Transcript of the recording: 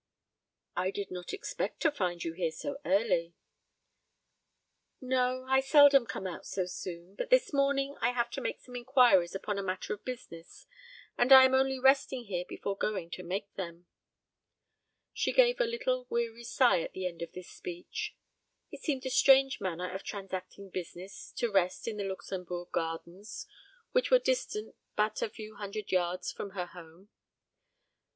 "I did not expect to find you here so early." "No, I seldom come out so soon; but this morning I have to make some inquiries upon a matter of business, and I am only resting here before going to make them." She gave a little weary sigh at the end of this speech. It seemed a strange manner of transacting business to rest in the Luxembourg gardens, which were distant but a few hundred yards from her home.